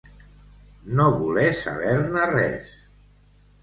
No voler saber-ne res.